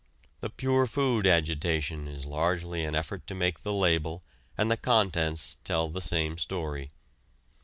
The pure food agitation is largely an effort to make the label and the contents tell the same story.